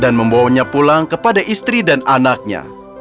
dan membawanya pulang kepada istri dan anaknya